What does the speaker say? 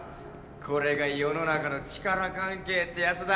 これが世の中の力関係ってやつだ。